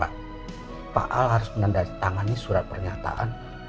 pak al harus menandatangani surat pernyataan kalau ke pulangannya itu atas keinginan sendiri ya pak al